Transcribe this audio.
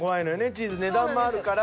チーズ値段もあるから。